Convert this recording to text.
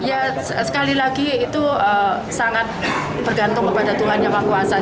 ya sekali lagi itu sangat bergantung kepada tuhan yang maha kuasa